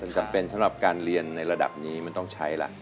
จำเป็นสำหรับการเรียนในระดับนี้มันต้องใช้ล่ะ